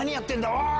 おい！